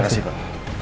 terima kasih pak